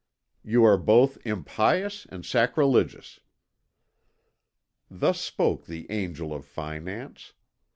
You are both impious and sacrilegious." Thus spoke the angel of finance.